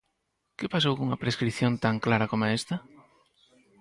Que pasou cunha prescrición tan clara como esta?